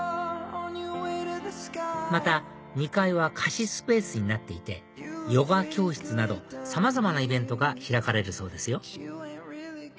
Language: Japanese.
また２階は貸しスペースになっていてヨガ教室などさまざまなイベントが開かれるそうですよ